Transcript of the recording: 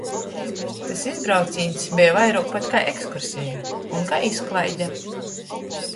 Tys izbraucīņs beja vairuok pat kai ekskurseja un kai izklaide.